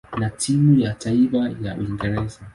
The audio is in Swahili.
na timu ya taifa ya Uingereza.